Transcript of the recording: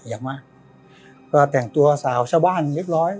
อยากมาก็แต่งตัวสาวชาวบ้านเรียบร้อย